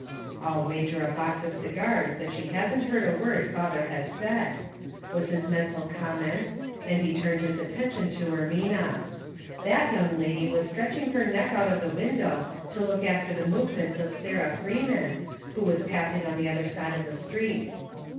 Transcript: " I'll wager a box of cigars that she hasn't heard a word father has said," was his mental comment, and he turned his attention to Ermina. That young lady wag stretching her neck out of the window to look Two Peters. 81 after the movements of Sarah Freeman, who was passing on the other side of the street.